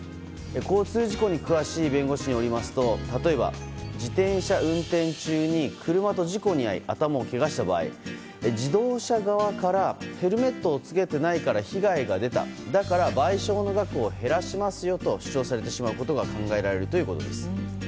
交通事故に詳しい弁護士によりますと例えば、自転車運転中に車と事故に遭い頭をけがした場合、自動車側からヘルメットを着けていないから被害が出ただから賠償の額を減らしますよと主張されてしまうことが考えられるということです。